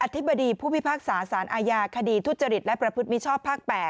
ธิบดีผู้พิพากษาสารอาญาคดีทุจริตและประพฤติมิชชอบภาค๘